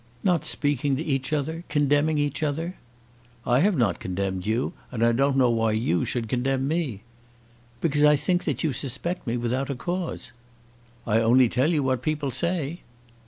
"Not speaking to each other, condemning each other." "I have not condemned you, and I don't know why you should condemn me." "Because I think that you suspect me without a cause." "I only tell you what people say!"